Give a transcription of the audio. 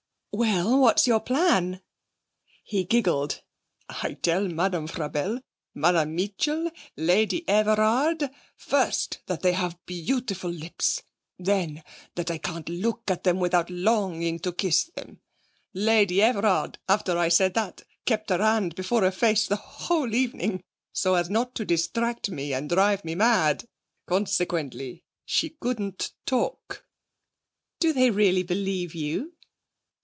'Well, what's your plan?' He giggled. 'I tell Madame Frabelle, Madame Meetchel, Lady Everard first, that they have beautiful lips; then, that I can't look at them without longing to kiss them. Lady Everard, after I said that, kept her hand before her face the whole evening, so as not to distract me, and drive me mad. Consequently she couldn't talk.' 'Do they really believe you?'